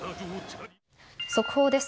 速報です。